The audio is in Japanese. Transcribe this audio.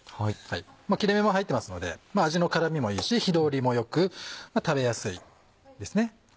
切れ目も入ってますので味の絡みもいいし火通りも良く食べやすいですね。